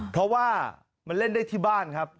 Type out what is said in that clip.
เพราะว่ามันเล่นได้ที่บ้านครับ